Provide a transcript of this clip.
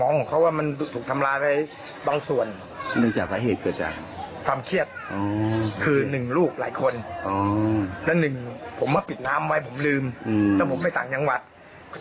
แล้วหนึ่งผมมาปิดน้ำไว้ผมลืมแล้วผมไปต่างจังหวัด